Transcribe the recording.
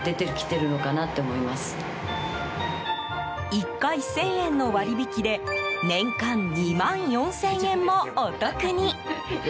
１回１０００円の割引で年間２万４０００円もお得に。